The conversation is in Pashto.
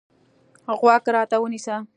غوږ راته ونیسه.